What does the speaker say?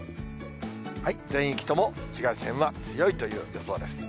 全域とも紫外線は強いという予想です。